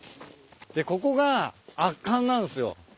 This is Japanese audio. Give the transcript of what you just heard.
でここが圧巻なんすよ。